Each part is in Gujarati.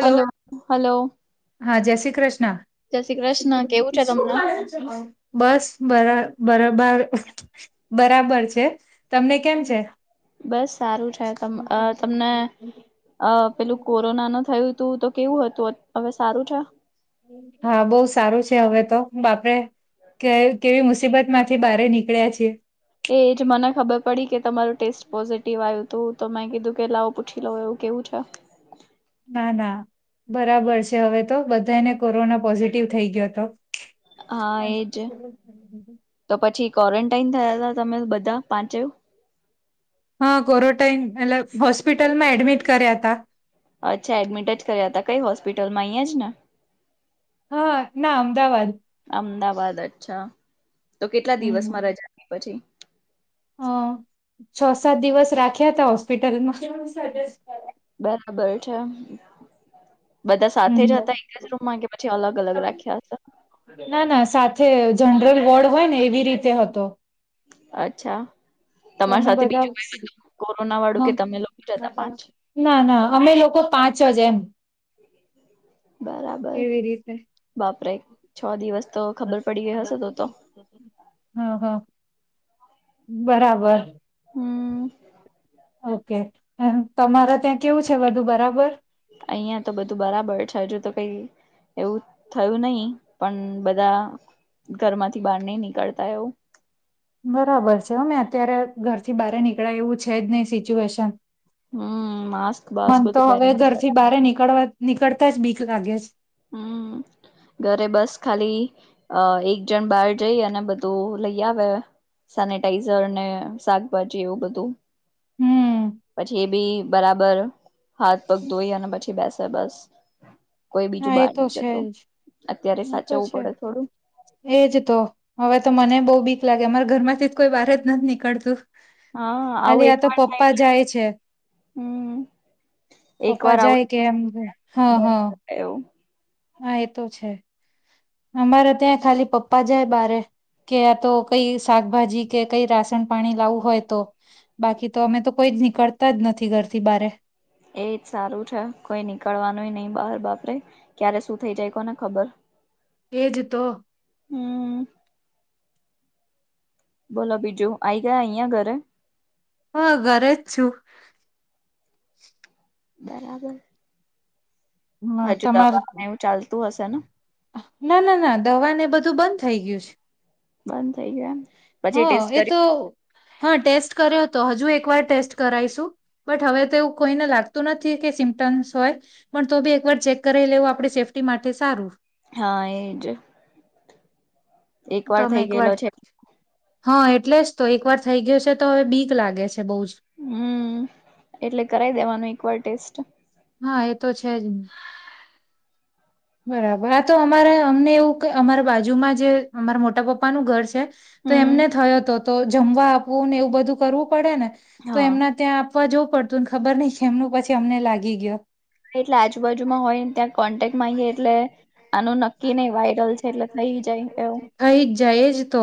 હલો હલો હા જે શ્રી ક્રશ ના જય શ્રી કૃષ્ણ કેવું છે તમને બસ બરા બરા બરાબર છે તમને કેમ છે? બસ સારું છે, ત તમને અ પેલું કોરોના ન થયું તું તો કેવું હતું હવે સારું છે? હા બહુ સારું છે, હવે તો બાપરે કે કેવી મુસીબત માંથી બારે નીકળ્યા છીએ? એજ મને ખબર પડી કે તમારું ટેસ્ટ પોઝિટિવ આયુ તું, તો મેં કીધું કે લાવ પૂછી લઉ એવું કેવું છે? ના ના બરાબર છે હવે તો, બધાયને કોરોના પોઝિટિવ થઈ ગ્યો તો. હા એજ, તો પછી કોરન્ટાઈન થયા તા તમે બધા પાંચઉ? હા કોરોટાઈન, એટલે હોસ્પિટલમાં એડમિટ કર્યા તા. અચ્છા એડમિટેડ જ કર્યા તા. કઈ હોસ્પિટલમાં અઇયા જ ને? હહ હહ ના અમદાવાદ અમદાવાદ અચ્છા. તો કેટલા હમ દિવસમાં રજાની પછી હ છ સાત દિવસ રાખ્યા તા હોસ્પિટલમાં [inaudible] બરાબર છે. બધા સાથે હમ જ હતા એક જ રૂમમાં કે પછી અલગ અલગ રાખ્યા હતા? ના ના સાથે જનરલ વોર્ડ હોય ને એવી રીતે હતો. અચ્છા તો તમારી અમે સાથે બીજું કઈ હતું કોરોના વાળું બધા કે તમે લોકો જ હતા પાંચ ના ના અમે લોકો પાંચ જ એમ [inaudible] બરાબર એવી રીતે બાપરે છ દિવસ તો ખબર પડી ગઈ હશે તો તો હા હા બરાબર. હમ ઓકે તમારા ત્યાં કેવું છે બધું બરાબર? અહિયાં તો બધું બરાબર છે હજુ તો કઈ એવું થયું નહી પણ બધા ઘરમાંથી બહાર નઈ નીકળતા એવું બરાબર છે અમે અત્યારે ઘરથી બહાર નીકળાય એવું છે જ નહી સિચ્યુએશન હમ માસ્ક બાસ્ક મન તો બધું હવે પહેરીને જ ઘરથી બારે નીકળવા નીકળતા જ બીક લાગે છે. હમ. ઘરે બસ ખાલી અ એક જણ બહાર જઈ અને બધું લઈ આવે સેનેટાઈઝર ને શાકભાજી એવું બધું હમ પછી એ ભી બરાબર હાથ પગ ધોઈ અને પછી બેસે બસ કોઈ બીજું હા એ બહાર તો નહી જતું છેજ અત્યારે એ તો સાચવવું છે પડે થોડું એજ તો હવે તો મને બહુ બીક લાગે અમારે ઘર થી કોઈ બાર જ નથી નીકળતું હા આવું ખાલી એક આ તો વાર થાય પપ્પા એટલે જાય છે હમ એક વાર પપ્પા જાય કે એમ હા આવું હા એવું હા એ તો છે અમારે ત્યાં ખાલી પપ્પા જાય બારે કે આ તો કઈ શાકભાજી કે કઈ રાસન પાણી લાવું હોય તો બાકી તો અમે તો કોઈ નીકળતા જ નથી ઘરથી બારે એજ સારું છે કોઈ નીકળવાનુંય નહિ બહાર બાપરે ક્યારે શું થઇ જાય કોને ખબર એજ તો હમ્મ. બોલો બીજું આઈ ગયા અહયા ઘરે હું ઘરે જ છું બરાબર હ હજુ તમાર દવા એવું ચાલતું હશે ને ના ના ના દવા ને બધું બંધ થઈ ગયું છે. બંધ થઈ ગયા હા એ તો હા ટેસ્ટ કર્યો હતો હજુ એક વાર ટેસ્ટ કરાઈશું બટ હવે તો એવું કોઈને લાગતું નથી કે ઇન્ટંસ હોય પણ તો બી એક વાર ચેક કરી લેવું આપડે સેફ્ટી માટે સારું હા એજ તો અમે થઈ એક વાર ગયેલો છે હા એટલે જ તો એક વાર થઈ ગયુ છે તો હવે બીક લાગે છે. બહુ જ હમ એટલે કરાઈ દેવાનું એકવાર ટેસ્ટ હા એ તો છે જ ન બરાબર આ તો અમારે અમને એવું કે અમારા બાજુમાં જે અમારા મોટા પપ્પાનું ઘર છે તો હમ. એમને થયો હતો તો જમવા આપવું ને એવું બધું કરવું પડે ને તો હા એમના ત્યાં આપવા જવું પડતું ને ખબર નહ કે એમનું પછી અમને લાગી ગયો એટલે આજુબજુમાં હોય ને ત્યાં કોન્ટેક માં આવીએ એટલે આનું નક્કી નહ વાયરલ છે એટલે થઈ જાય એવું થઈ જ જાય એ જ તો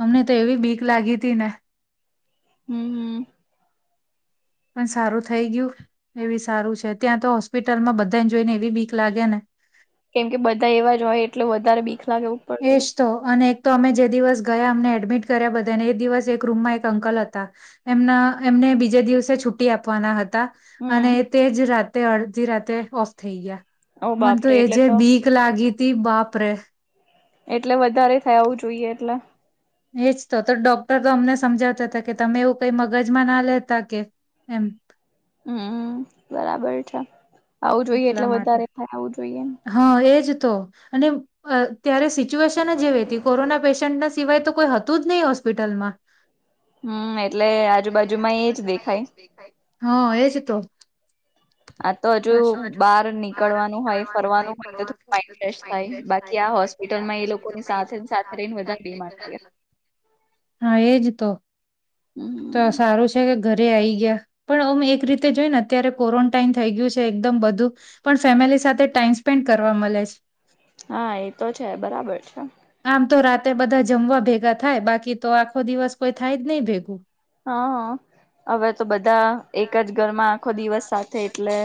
અમને તો એવી બીક લાગી હતી ને હમ્મ-હમ્મ. પણ સારું થઈ ગયું એવી સારું છે ત્યાં તો હોસ્પિટલમાં બધાને જોઈ ને એવી બીક લાગે ને લાગેવું એજ પડતી તો અને અમે જે દિવસ ગયા અમ એડમિટ કર્યા બધા દિવસ એક રૂમમાં એક અંકલ હતા એમના એમને બીજે દિવસે છુ્ટટી આપવાના હ અને હમ. તેજ રાતે અડધી રાતે ઓફ થઈ ગયા ઓ મને તો બાપરે એ એટલે જે બીક લાગી ત બાપરે એટલે વધારે થયા હોું જોઈએ એટલે એજ તો તો ડોક્ટર તો અમને સમજાતા હતા કે તમે એવું કઈ મગજમાં ના લેતા કે એમ હમ બરાબર છે આવું જોઈએ એટલે એટલા માટે વધારે થાય આવું જોઈએ હા એજ તો અનેત્યારે સિચ્યુએશન જવી હતી કોરોના પેશન્ટના સિવાય તો કોઈ હતું જ નહી હોસ્પિટલમાં એટલે આજુબાજુમાં એજ દેખાય હા એજ તો આ તો હજુ બહાર નીકળવાનું હોય ફરવાનું [unintelligible] માઈન્ડ ફેશ થાય. બાકી આ હોસ્પિટલમાં એ લોકોની સાથે ન સાથે રઈન વધાર બીમાર પડયત. [inaudible] હા, એજ તો. તો હમ સારું છે. તો ઘરે આઈ ગયા. પણ અમ એક રીતે જોઈ એને અત્યારે ક્વોરન્ટાઈન થઈ ગયું છે એકદમ બધું. પણ ફેમિલી સાથે ટાઈમ સ્પેન્ડ કરવા મલે છ. હા, એ તો છે. બરાબર છે. તે બધા જમવા ભેગા થાય. બાકી તો, આખો દિવસ કોઈ થાય જ નઈ ભેગું. હન, અવે તો બધા એક જ ઘરમાં આખો દિવસ સાથે એટલે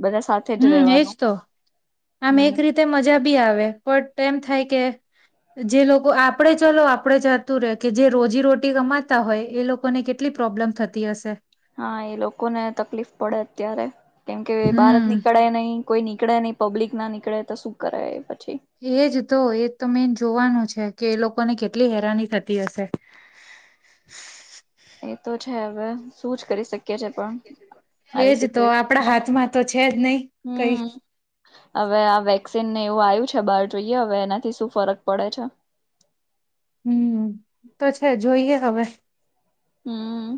બધા સાથે જ હમ એજ રેવાનું. તો આમ, હમ એક રીતે મજા બી આવે. પટ એમ થાય કે જે લોકો આપડે ચલો આપડે ચાલતું રે કે, જે રોજી રોટી કમાતા હોય એ લોકોને કેટલી પ્રોબ્લેમ થતી હશે. હા, એ લોકોને તકલીફ પડે અત્યારે. કેમ કે, બાર જ હમ નીકળે નઈ. કોઈ નીકળે નઈ, પબ્લિક ના નીકળે તો શું કરે એ પછી. એજ તો, એજ તો મેન જોવાનું છે, કે એ લોકોને કેટલી હેરાની થતી હશે. એ તો છે, હવે શું જ કરી શકી કે છે પણ. આવી એજ તો આપણા સીચૂએશનમાં. હાથમાં તો છે જ નહી કઈ હમ. હવે આ વેક્સીન એવું આવ્યું છે બહાર જોઈએ હવે એનાથી શું ફરક પડે છે. હમ, ઈ તો છે જોઈએ હવે. હમ્મ,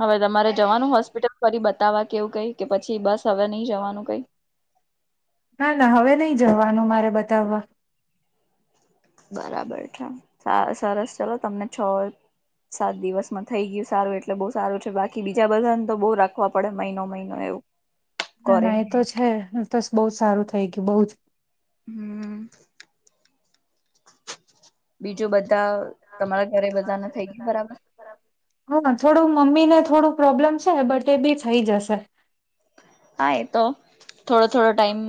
હવે તમારે જવાનું હોસ્પિટલ ફરી બતાવા કે એવું કઈ કે પછી બસ હવે નઈ જવાનું કઈ? ના, ના હવે નઈ જવાનું મારે બતાવવા. બરાબર છે. સા સરસ ચલો તમને છ સાત દિવસમાં થઈ ગયું સારું એટલે બઉ સારું છે. બાકી બીજા બધાને તો બઉ રાખવા પડે મહિનો-મહિનો એવું. ના, ના એ ક્વોરન્ટાઈન તો છે. ઈન તોસ બઉ જ સારું થઇ ગયું બઉ જ. હમ. બીજું બધા તમારા ઘરે બધા ને થઈ ગયુ બરાબર? હન, થોડું મમ્મી ને થોડું પ્રોબ્લેમ છે, બટ એ બી થઈ જશે. હા, એ તો થોડો-થોડો ટાઈમ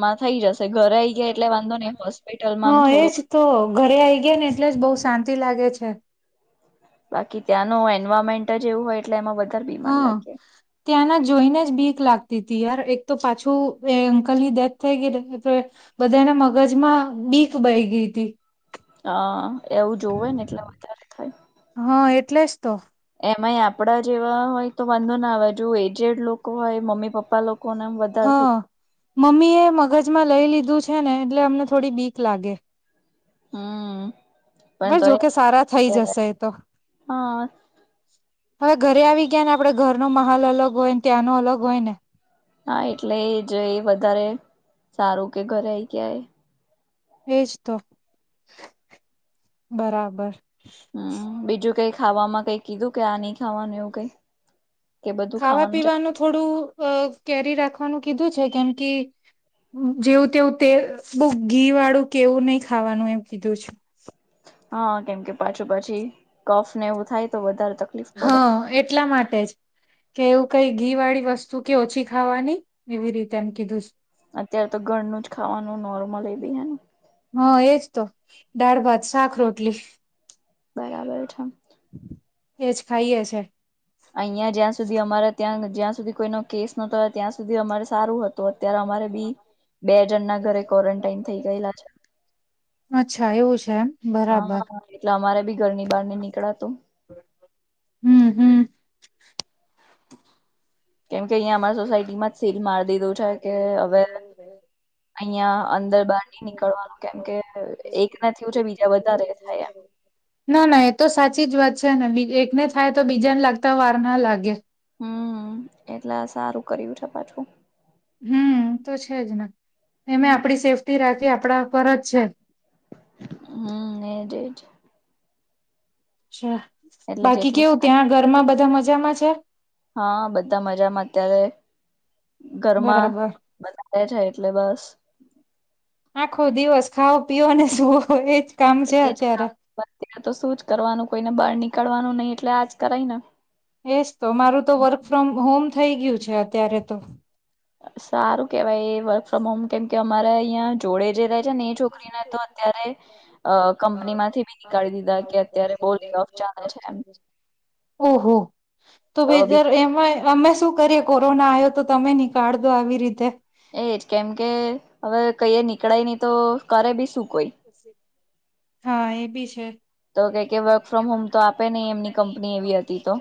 માં થઈ જશે. ઘરે આઈ ગયા એટલે વાંધો નઈ. હોસ્પિટલમાં આમ હા એજ થોડું તો ઘરે આઈ ગયા ને એટલે જ બઉ શાંતિ લાગે છે. બાકી ત્યાંનું એન્વાયરમેન્ટ જ એવું હોય એટલે એમાં વધ હન, ત્યાંના જોઈને જ બીક લાગ તી તી યાર, એક તો પાછું એ અંકલની ડેથ થઈ ગઈ તે બધાને મગજમાં બીક બઈ ગઈ તી. હઅ, એવું જોવે ને એટલે વધારે થાય. હા એટલે જ તો. એમાય આપડા જેવા હોય તો વાંધો ના આવે. જો એજેડ લોકો હોય મમ્મી-પપ્પ તા લોકોને આમ વધાર થઈ હા મમ્મી એ મગજમાં લઈ લીધું છે ને એટલે અમને થોડી બીક લાગે. હમ. પણ બસ તો જોકે સારા થઈ કેવાય જશે એતો. હા હવે ઘરે આવી ગયા ને આપડે ઘરનો માહોલ અલગ હોયને, ત્યાંનો અલગ હોય ને. હા, એટલે એ જ એ વધારે સારું કે ઘરે આઈ ગયા એ. એજ તો, બરાબર. હમ, બીજું કઈ ખાવામાં કઈ કીધું કે આ ની ખાવાનું એવું કઈ? કે બધું ખાવાનું ચા ખાવા-પીવાનું થોડું અ કેરી રાખવાનું કીધું છે કેમ કે જેવું તેવું તેલ બઉ ઘી વાળું કે એવું નઈ ખાવાનું એમ કીધું છે. હન, કેમ કે પાછું પછી કફ ને એવું થાય તો વધાર હન, એટલા માટે જ કેવું કઈ ઘી વાળી વસ્તુ કે ઓછી ખાવાની એવી રીતે એમ કીધું અત્યારે તો ઘરનું જ ખાવાનું નોર્મલ એ બી હને હા એજ તો દાળ, ભાત, સાક, રોટલી બરાબર છે. એજ ખાઈએ છે. અહીયાં જ્યાં સુધી અમારે ત્યાં જ્યાં સુધી કોઈનો કેસ નતો ત્યાં સુધી અમારે સારું હતું અત્યારે અમારે બી બે જણ ના ઘરે ક્વોરન્ટાઈન થઈ ગયેલા છે. અચ્છા એવું છે એમ બરાબર હા એટલે અમારે ભી ઘરની બહાર નઈ નીકળાતું [inaudible] હમ હમ. કેમ કે અહીંયા અમારા સોસાયટીમાં જ સીલ મારી દીધું છે, કે હવે અહિયાં અંદર બહાર નઈ નીકળવાનું કેમ કે એક ના થયું છે, બીજા વધારે થાય એમ ના ના એ તો સાચી જ વાત છે, ને એકને થાય તો બીજાને લાગતા વાર ના લાગે હમ એટલે સારું કર્યું છે, પાછું હમ તો છે, જ ને એમે હમ આપડી સેફ્ટી રાખી આપણા પર જ છે, હમ એજ એજ અચ્છા એટલે બાકી જેટલું કેવું ત્યાં સાચું ઘરમાં બધા મજામાં છે? હા બધા મજામાં અત્યારે ઘરમાં બરાબર બધારે છે, એટલે બસ આખો દિવસ ખાઓ પીઓ ને સુુવો એજ કામ છે, એજ અત્યારે કામ બસ. તો શું જ કરવાનું કોઈને બહાર નીકળવાનું નહી એટલે આજ કરાય ને એજ તો મારું તો વર્ક હમ. ફ્રોમ હોમ થઈ ગયું છે, અત્યારે તો સારું કેવાય વર્ક ફ્રોમ હોમ કેમ કે અમારે અહં જોડે જે ર છે, ને એ છોકરીને તો અત્યારે કંપનીમાંથી બી નીકાળી દીધા કે અત્યારે બોલી ઓફ ચાલે છે, એમ ઓહો તો બેજર એમાં અમે શું કરીએ કોરોના આવ્યો તો તમે નીકાળ દો આવી રીતે એજ કેમ કે હવે કઈ નીકળાય નહી તો કરે બી શું કોઈ હા એ બી છે. તો કે કે વર્ક ફ્રોમ હોમ તો આપે નહી એમની કંપની એવી હતી તો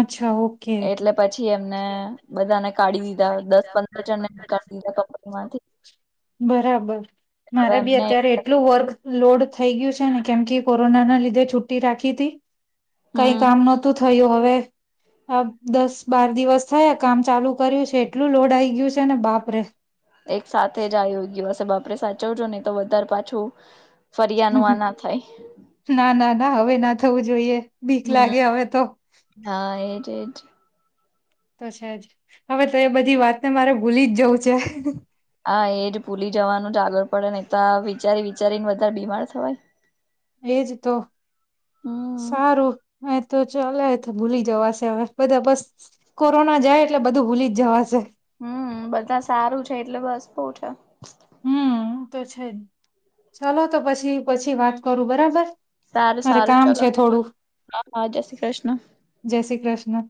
અચ્છા ઓકે. એટલે એમને પછી બધાને કાઢી દસ દીધા પંદર જણને હતા નીકાળી દીધા કંપની હજ માંથી બરાબર હવે મારે બી એમને અત્યારે એટલું વર્ક લોડ થઈ ગયું છે, ને કેમ કે કોરોના ના લીધે છુટી રાખી હતી કઈ હમ કામ નહોતું થયું હવે આ દસ બાર દિવસ થયા કામ ચાલુ કર્યું છે, એટલું લોડ આઈ ગયું છે ને બાપરે એક સાથે જ આવીયો ગયો હશે બાપરે સાચવજો નહી તો વધારે પાછું ફરિયાનું આ ના થાય ના ના ના હવે ના થવું જોઈએ બીક લાગે હવે તો જ જ તો છેજ હવે તો એ બધી વાતને મારે ભૂલી જ જવું છે. હા એજ ભૂલી જવાનું જ આગળ પડે ને તો આ વિચારી વિચારીને વધારે બીમાર થવાય. એજ તો હમ સારું. હ તો ચાલે તો ભૂલી જવાશે હવે બધા બસ કોરોના જાય એટલે બધું ભૂલી જ જવાશે હમ બધા સારું છે, એટલે બસ બહુ છે. હમ તો છે, જ ચાલ તો પછી પછી વાત કરું બરાબર. સારું મારે સારું કામ ચલો છે થોડું હા હા જય શ્રી કૃષ્ણ. [inaudible] જય શ્રી કૃષ્ણ